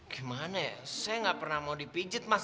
gimana ya saya nggak pernah mau dipijit mas